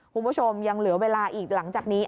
คุณผู้ชมยังเหลือเวลาอีกหลังจากนี้